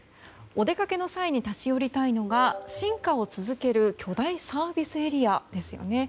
お出かけの際に立ち寄りたいのが進化を続ける巨大サービスエリアですよね。